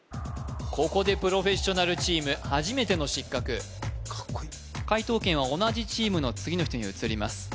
ここでプロフェッショナルチーム初めての失格解答権は同じチームの次の人に移ります